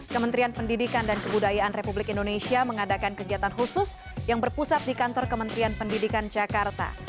kementerian pendidikan dan kebudayaan republik indonesia mengadakan kegiatan khusus yang berpusat di kantor kementerian pendidikan jakarta